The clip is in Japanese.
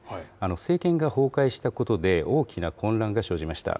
政権が崩壊したことで、大きな混乱が生じました。